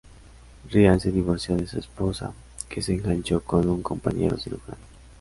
Ryan se divorció de su esposa, que se enganchó con un compañero cirujano.